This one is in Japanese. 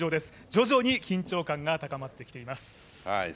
徐々に緊張感が高まってきています。